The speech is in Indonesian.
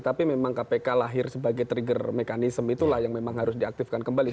tapi memang kpk lahir sebagai trigger mechanism itulah yang memang harus diaktifkan kembali